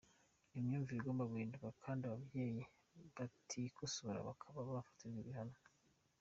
Ni imyumvire igomba guhinduka kandi ababyeyi batikosora bakaba bafatirwa n’ibihano.